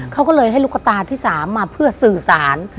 เขาก็เลยให้ลูกตาที่๓มาเพื่อสื่อสาร